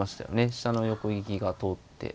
飛車の横利きが通って。